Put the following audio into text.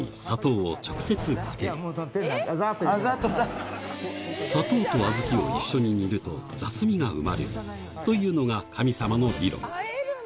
砂糖と小豆を一緒に煮ると雑味が生まれるというのが神様の理論。